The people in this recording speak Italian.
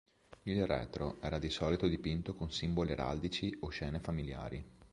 Il retro era di solito dipinto con simboli araldici o scene familiari.